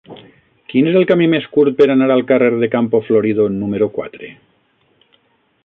Quin és el camí més curt per anar al carrer de Campo Florido número quatre?